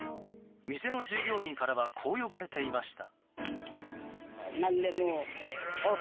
店の従業員からはこう呼ばれていました。